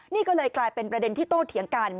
นี่ก็เลยกลายเป็นประเด็นที่โตเถียงกัน